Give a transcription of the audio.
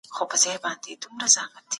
مولوي عبدالروف کاکړ مولوي عبدالواسع